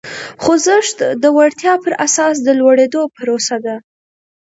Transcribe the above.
خوځښت د وړتیا پر اساس د لوړېدو پروسه ده.